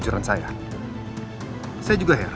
ini bunga yang saya beli